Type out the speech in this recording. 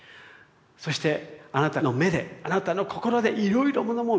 そしてあなたの目であなたの心でいろいろものも見てきて下さい。